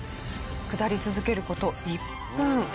下り続ける事１分。